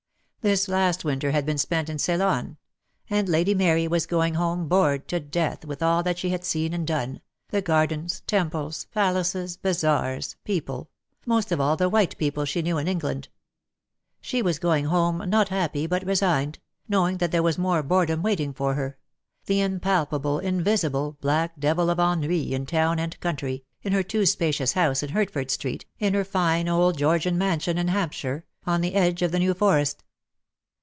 This last winter had been spent in Ceylon; and Lady Mary was going home bored to death with all that she had seen and done, the gardens, temples, palaces, bazaars, people — most of all the white people she knew in England. She was going home, not happy, but resigned, knowing that there v/as more boredom waiting for her — the impalpable invisible black devil of ennui in town and country, in her too spacious house in Hertford Street, in her fine old Georgian mansion in Hampshire, on the edge of the New Forest.